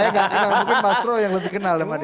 saya nggak kenal mungkin mas roy yang lebih kenal sama dia